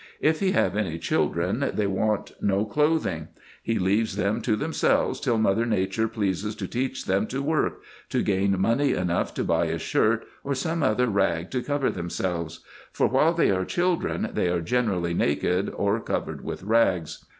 If he have any children, they want no clothing : he leaves them to themselves till mother nature pleases to teach them to work, to gain money enough to buy a shirt or some other rag to cover themselves ; for while they are children, they are generally naked or covered with rags.